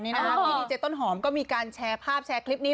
พี่ดีเจต้นหอมก็มีการแชร์ภาพแชร์คลิปนี้